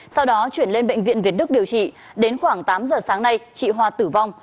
sau đó chuyển lên bệnh viện việt đức điều trị đến khoảng tám giờ sáng nay chị hoa tử vong